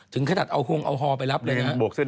ถึงขนาดเอาหอไปรับเลยนะ